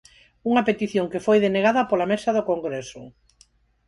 Unha petición que foi denegada pola mesa do Congreso.